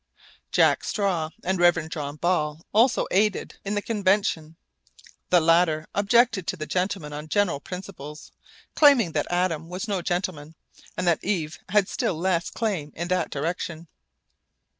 Jack Straw and Rev. John Ball also aided in the convention. The latter objected to the gentlemen on general principles, claiming that Adam was no gentleman, and that Eve had still less claim in that direction.